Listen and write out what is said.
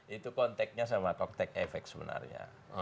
itu konteknya sama koktek efek sebenarnya